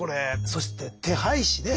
そして手配師ね。